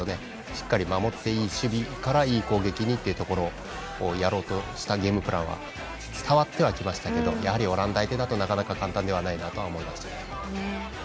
しっかり守って、いい守備からいい攻撃にっていうところをやろうとしたゲームプランは伝わってはきましたけどやはりオランダ相手だとなかなか簡単ではないなと思いました。